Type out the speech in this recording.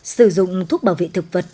sử dụng thuốc bảo vị thực vật